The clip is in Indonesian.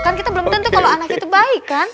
kan kita belum tentu kalau anak itu baik kan